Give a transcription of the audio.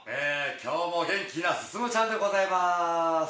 きょうも元気なすすむちゃんでございます。